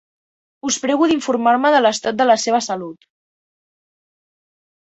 Us prego d'informar-me de l'estat de la seva salut.